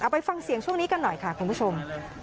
ไปฟังเสียงช่วงนี้กันหน่อยค่ะคุณผู้ชม